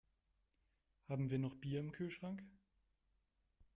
Haben wir noch Bier im Kühlschrank?